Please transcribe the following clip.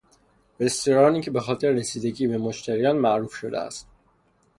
رستورانی که به خاطر رسیدگی به مشتریان معروف شده است.